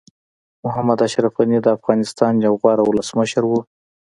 محمد اشرف غني د افغانستان یو غوره ولسمشر وو.